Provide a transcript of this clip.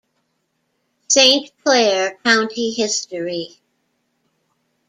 Saint Clair County History.